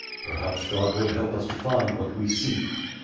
Perhaps God will help us to find what we seek.